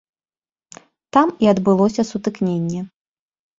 Там і адбылося сутыкненне.